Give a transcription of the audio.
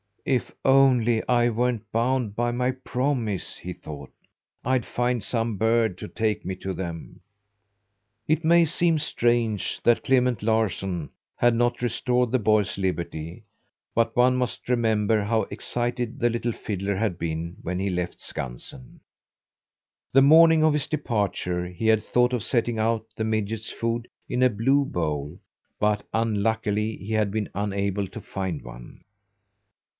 "If only I weren't bound by my promise," he thought, "I'd find some bird to take me to them!" It may seem strange that Clement Larsson had not restored the boy's liberty, but one must remember how excited the little fiddler had been when he left Skansen. The morning of his departure he had thought of setting out the midget's food in a blue bowl, but, unluckily, he had been unable to find one.